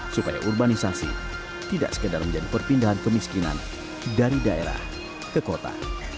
supaya urbanisasi tidak sekedar menjadi perpindahan kemiskinan dari daerah ke kota